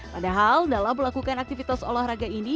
padahal dalam melakukan aktivitas olahraga ini